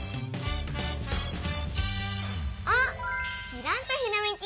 あ！きらんとひらめき！